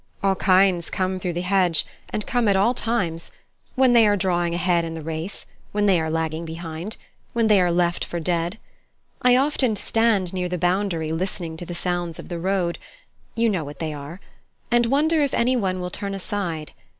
All kinds come through the hedge, and come at all times when they are drawing ahead in the race, when they are lagging behind, when they are left for dead. I often stand near the boundary listening to the sounds of the road you know what they are and wonder if anyone will turn aside.